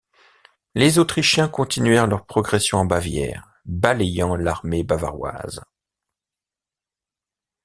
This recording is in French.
Les Autrichiens continuèrent leur progression en Bavière, balayant l'armée bavaroise.